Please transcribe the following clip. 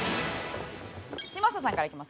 嶋佐さんからいきます。